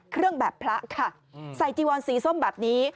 เครื่องแบบพระค่ะใส่จีวอนสีส้มแบบนี้